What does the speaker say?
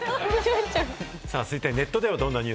続いてネットではどんなニュ